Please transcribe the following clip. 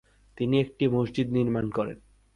তিনি একটি মসজিদ নির্মাণ করেন।